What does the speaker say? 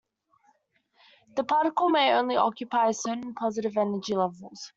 The particle may only occupy certain positive energy levels.